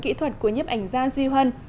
kỹ thuật của nhấp ảnh gia duy huân